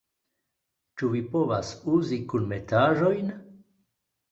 Ĉu vi povas uzi kunmetaĵojn?